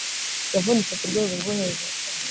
Yavunitse kurwego rwo hejuru